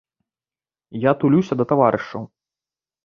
Я тулюся да таварышаў.